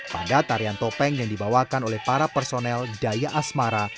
pada tarian topeng yang dibawakan oleh para personel daya asmara